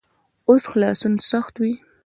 اوس خلاصون سخت وي.